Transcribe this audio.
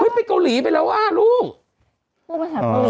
เห้ยไปเกาหลีไปแล้วอ่ะลุง